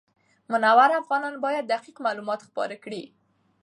منور افغانان باید دقیق معلومات خپاره کړي.